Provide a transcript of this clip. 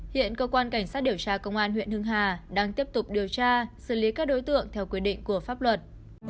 hiện cơ quan cảnh sát điều tra công an huyện hưng hà đang tiếp tục điều tra xử lý các đối tượng theo quy định của pháp luật